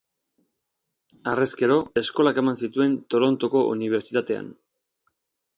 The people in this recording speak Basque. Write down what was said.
Harrezkero, eskolak eman zituen Torontoko Unibertsitatean.